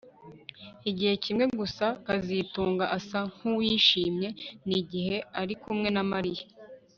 Igihe kimwe gusa kazitunga asa nkuwishimye ni igihe ari kumwe na Mariya